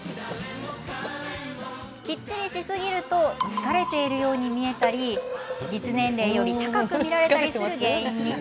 きっちりしすぎると疲れているように見えたり実年齢より高く見られたりする原因に。